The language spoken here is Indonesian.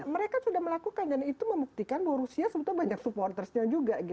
mereka sudah melakukan dan itu membuktikan bahwa rusia sebetulnya banyak supportersnya juga